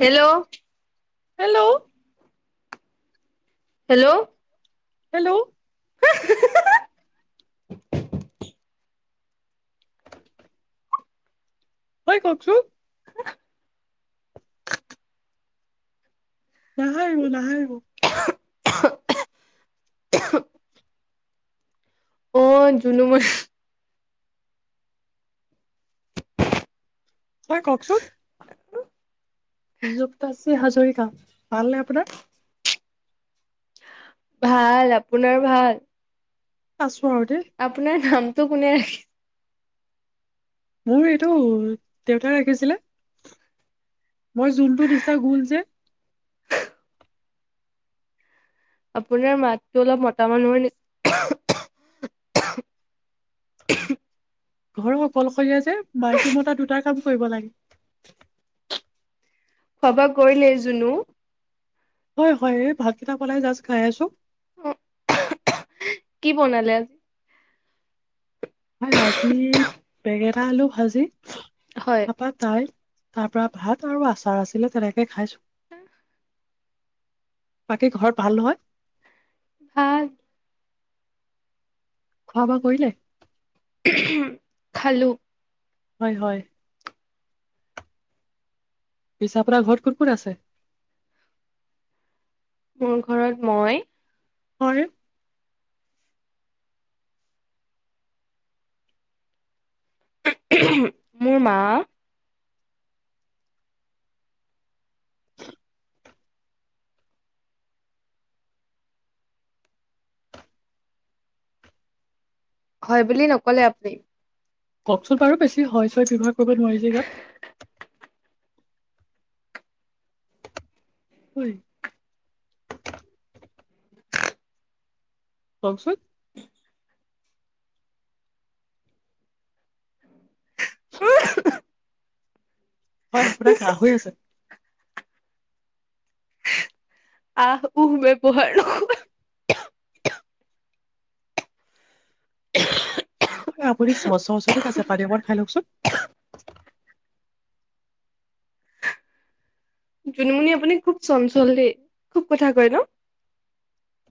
Hello hello hello hello তই কওকচো নাহাহিব নাহাহিব অ জুনুম হয় কওকচোন যুক্তাশ্ৰী হাজৰিকা ভালনে আপোনাৰ ভাল আপোনাৰ ভাল পছো আৰু দ টো কোনে ৰাখি মোৰ এইটো দেউতাই ৰাখিছিলে মই যোনটো দিছা গল যে আপোনাৰ মাতটো অলপ মতা মানুহৰ নিচ ঘৰ অকলশৰীয়া যে মাইকী মতা দুটা কাম কৰিব লাগে সবা কৰিলে জনো হয় হয় এই ভাততিটা পলাই জাচ খাই আছো উম কি বনালে হয় আজি বেঙেটা আলো ভাজি হয় পাপা তাই তাৰ পৰাৰা ভাত আৰু আচাৰ আছিলে তেনেকে খাইছো আহ বাকী ঘৰ ভাল নহয় হ খোৱা বোৱা কৰিলে খালো হয় হয় পিছ পৰা ঘৰত কোন কত আছে মোৰ ঘৰত মই হয় মোৰ মা হয় বুলি নকলে আপুনি ককচোন বাৰু বেছি হয় ছয় ব্যৱহাৰ কৰিব নোৱাৰি যে ইয়াত শুই [inaudible] ককচোন উ হয় আপোনাৰ ঘ হৈ আছে আহ ওহ মে পহৰ আপুনি চ চশ ঠিক আছে পাৰিবাৰ খাই লওঁকচোন। জুনুমুনি আপুনি খুব চঞ্চল দেই খুব কথা কয় ন'।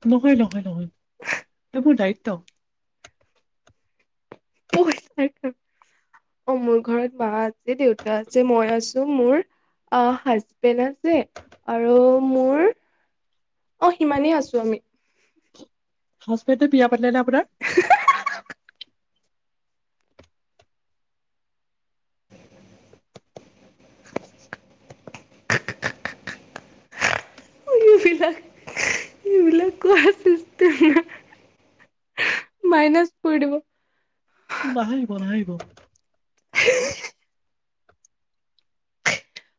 নহয়, নহয়, নহয় ত' মোৰ দায়িত্ব। পইচ অ মোৰ ঘৰত মা আছে দেউতা আছে মই আছো মোৰ আহ হাজবেণ্ড আছে আৰু মোৰ অ সিমানেই আছো আমি সচ পেতে পিয়া আপোনৰ এইবিলাক এইবিলাক ক চ মাইনাছ কৰি দিব নাহিব নাহিব। হয়।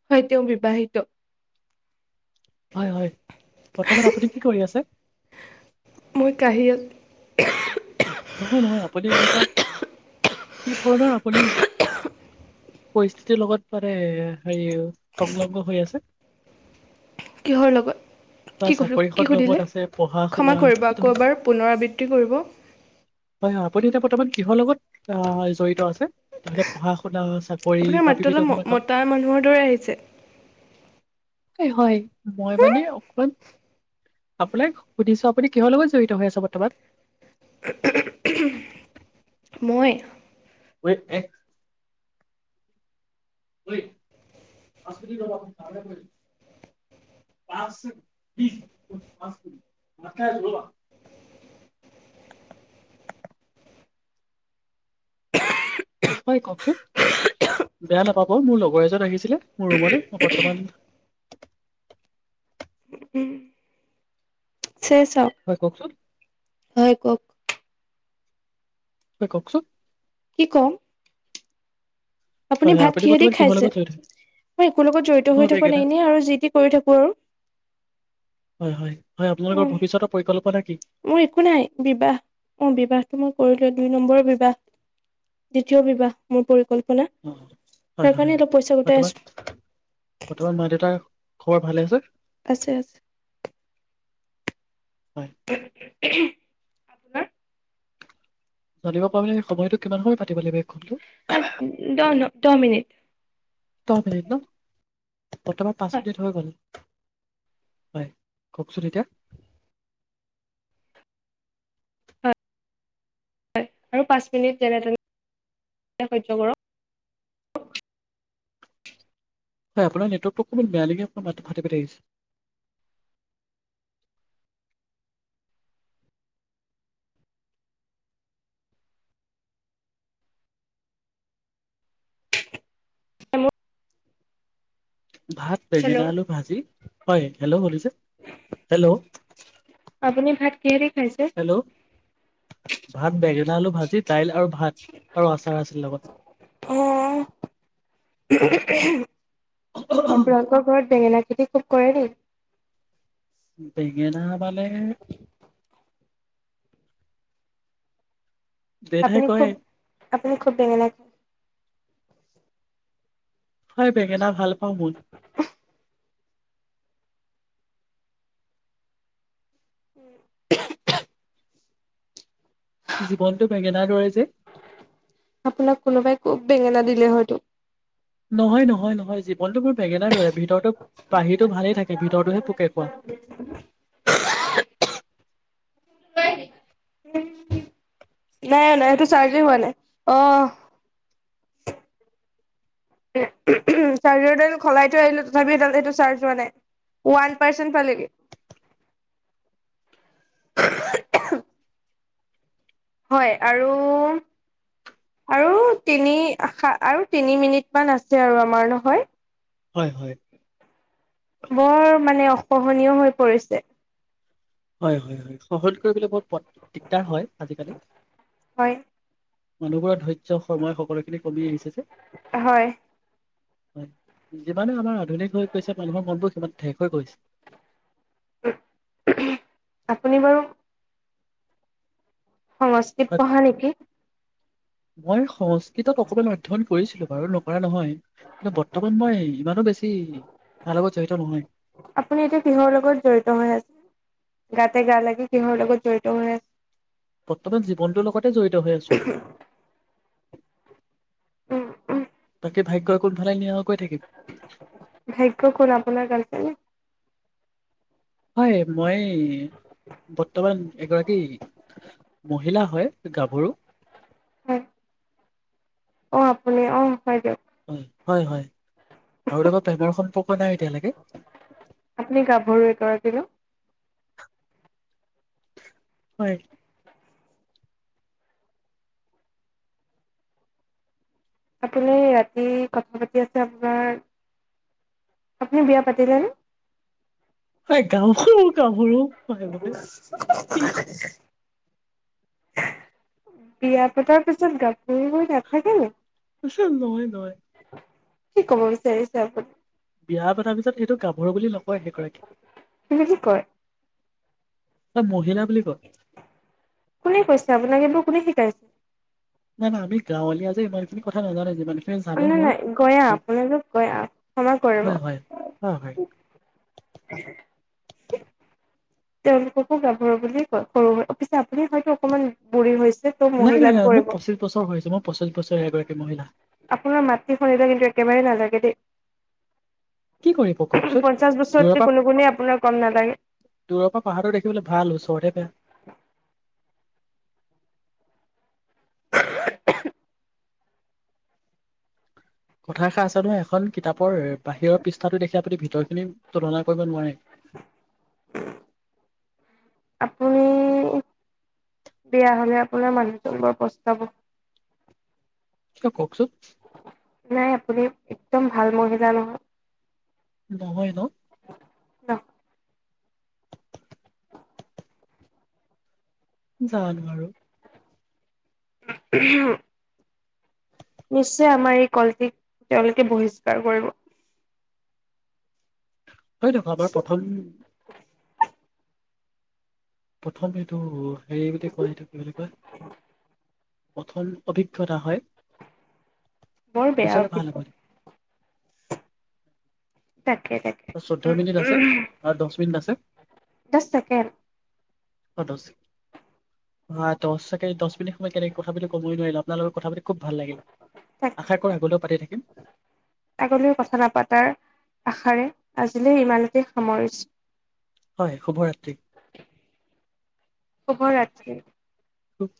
হয় তেওঁ বিবাহিত হয় হয় বৰ্তমান আপুনি কি কৰি আ মই কাহিয়ত নহয় নহয় আপুনি এনেকুৱা কি ধৰণৰ আপুনি পৰিস্থিতিৰ লগত মানে হেৰি সংলগ্ন হৈ আছে কিহৰ লগত? বা কি কলো চাকৰি কি সুধিলে সন্দৰ্ভত আছে পঢ়া ক্ষমা শুনা কৰিব কি আকৌ ধৰণৰ এবাৰ পুনৰাবৃত্তি কৰিব হয় হয় আপুনি এতিয়া বৰ্তমান কিহৰ লগত আহ জড়িত আছে তহলে পঢ়া শুনা চাকৰি আপোনাৰ বা মাতটো বিবিধ অলপ ধৰণৰ কাম মতা মানুহৰ দৰে আহিছে হয় মই মানে আপোনাক সুধিছো আপুনি কিহৰ লগত জড়িত হৈ আছে বৰ্তমান মই উই এ পাঁচ পাঁচ বা হয় কওঁকচোন বেয়া নাপাব মোৰ লগৰ এজনত আহিছিলে মোৰ ৰুমলৈ মই বৰ্তমান। উম চে চাওক হয় কওকচোন হয় কওঁক। হয় কওকচোন কি কম? হয় হয় ভাত আপুনি কিহেদি বৰ্তমান কিহৰ খাইছে লগত থাকে মই একো লগত জড়িত হৈ থকা নাই এনে আৰু যি টি কৰি থাকো আৰু হয় হয় হয় অ আপোনালোকৰ ভৱিষ্যতৰ পৰিকল্পনা কি মোৰ একো নাই বিবাহ অ বিবাহটো মই কৰিলো দুই নম্বৰৰ বিবাহ দ্বিতীয় বিবাহ মোৰ পৰি অ হয় হয় গোটাই বৰ্তমান আছো বৰ্তমান মা দেউতাৰ খবৰ ভালে আছে আছে আছে। হয়। [inaudible] আপোন জানিব পাৰিলে সময়টো কিমান সময় পাতিব লাগিব। কলটো? দহ ন দহ মিনিট ত প ন [inaudible] বৰ্তমান পাঁচ হয় মিনিট হৈ গ'ল। হয় কওকচোন এতিয়া হয় আৰু পাঁচ মিনিট যেনে তেনে সহ্য কৰক হয়, আপোনাৰ নেটৱৰ্কটো অমান বেয়া লিপোনাৰ মাতাটি প আহিছে। হেল্ল'। ভাত বেঙেনা হেল্ল' আলু ভাজি হয় হেল্ল' বছে হেল্ল' আপুনি ভাত কিহেদি খাইছে হেল্ল' ভাত বেঙেনা আলু ভাজি দাইল আৰু ভাত আৰু আচাৰ আছিল লগত অ' [inaudible] আপোনালোকৰ ঘৰত বেঙেনা এতিয়া ফোন কৰে নি বেঙনা মানে দেউতাই আপুনি কয় খুব আপুনি খুব বেঙেনা হয় বেঙেনা ভাল পাওঁ মই উম জীৱনটো বেঙেনাৰ দৰে যে আপোনাক কোনোবাই খুব বেঙেনা দিলে হয়তো নহয় নহয় নহয় জীৱনতটো মোৰ বেঙেনাৰ দৰে ভিতৰতো পাহি ভালেই থাকে ভিতৰতহে পোকে খোৱা [unintelligible] নাই নাই সেইটো চাৰ্জেই হোৱা নাই অ চাৰ্জাৰডাল সলাই থৈ আহিলো তথাপি এডাল এইটো চাৰ্জ হোৱা নাই ওৱান পাৰ্চেন্ট পালেগি হয় আৰু আৰু তিনি আৰু তিনি মিনিট মান আছে আৰু আমাৰ নহয় হয় হয় খহনীয় হৈ পৰিছে হয় হয় হয় সহজ কৰিবাক দিগদাৰ হয় আজিকালি হয় মানুহবোৰৰে ধৈৰ্য সময় সকলোে কেনে কমি আহিছে যে হয় হয় যিমানে আমাৰ আধুনিক হৈ গৈছে মানুহৰ মনবোৰ সিমান থেক হৈ গৈছে আপুনি বাৰু সংস্কত হয়, পঢ়া নেকি মই সহজ অকণমান অধ্যয় কৰিছিলো বাৰু নকৰা নহয় কিন্ত বৰ্তমান মই ইমানো বেছি তাৰ লগত জড়িত নহয় আপুনি এতিয়া কিহৰ লগত জড়িত হৈ আছে? গাতে গা লাগি কিহ লগোকো জড়িত হৈ আ বৰ্তমান জীৱনটোৰ লগতে জড়িত হৈ আছোঁ। উম, উম। কি ভাগ্যই ক'ত [unintelligible] ভাগ্য কোন আপোনাৰ কাৰণ উম। হয় মই বৰ্তমান এগৰাকী মহিলা হয়। গাভৰু হয় অ', আপুনি অ', হয় দিয়ক। উম, হয়, হয়। কাৰো লগত প্ৰেমৰ সম্পৰ্ক নাই এতিয়ালৈকে। আপুনি গাভৰু [unintelligible] হয়। আপুনি ৰাতি কথা পাতি আছে আপোনাৰ। আপুনি বিয়া পাতিলেনে? গাওখোঁ গাভৰু পাই গতে। [unintelligible] বিয়া পতাৰ পিছত গাভৰু হৈ নাথাকে নেকি? আছোঁং নহয় নয় কি ক'ব বিচাৰিছে আপুনি? বিয়া পতাৰ পিছত সিটো [unintelligible] তুমি কি কয়? ত মহিলাক - [unintelligible] কোনে কৈছে আপোনাক এইটো? কোনে শিকাইছে? নাই আমি গাঁৱলীয়া যে ইমানখিনি কথা নাজানে যিমান অ', নাই নাই গৈ আহ, আপোনালোক গৈ আহ, ক্ষমা কৰিব। হয় হয় হয় হয় [unintelligible] উ তেওঁলোককো যাব বুলিয়ে কয় সৰু হৈ পিছে আপুনি হয়তো অকমান বুঢ়ী হৈছে- ত' নাই, নাই, মহিলাক নাই, মোৰ পৰিব। পশিছ বছৰ হৈছে, মোৰ পশিছ [unintelligible] আপোনাৰ মাতৃ ফণিটো কিন্তু একেবাৰেই ভাল। এগেতি কি কৰিব কওঁকচোন দুৰৰপৰা, কোনো গুণেই আপোনাৰ কম নালাগে। দুৰৰপৰা পাহাৰটো দেখিবলৈ ভাল ওচৰতহে বেয়া। কথা এষাৰ আছে নহয় এখন কিতাপৰ বাহিৰৰ পৃষ্ঠাটো দেখ আপূনি ভিতৰ খিনি তুলনা কৰিব নোৱাৰে। আপুনি বেয়া হলে আপোনাৰ মানুহটো বৰ পস্তাব। ছাৰ কওঁকচোন। [inaudible] নাই আপুনি একদম ভাল মহিলা নহয়। নহয় ন ন জানো আৰু ওম ওমহ নিশ্চয় আমাৰ এই কলটিক তেওঁলোকে বহিষ্কাৰ কৰিব হয় দেখোন আমাৰ প্ৰথম প্ৰথমত এইটো হেৰি বুলি কয় এইটো কি বুলি কয় পথল অভিজ্ঞতা হয় বৰ বেয়া পিছলে ভাল হ'ব অফিচটো তাকে আও চৈধ্য উম মিনিট আছে উম। আৰু দহ মিনিট আছে জাষ্ট ছেকেণ্ড দছ ছেকেণ্ড দহ মিনিট সময় কেনেকে কথা পাতিলো কবই নোৱাৰিলো আপোনালোকৰ কথা পাতি খুব ভাল লাগিল তাকে আশা কৰো আগলৈও পাতি থাকিম আগলৈ কথা নাপাতাৰ আশাৰে আজিলৈ ইমানতে সামৰিছো হয় শুভৰাত্ৰি শুভ ৰাত্ৰি। অও